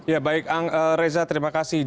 ya baik reza terima kasih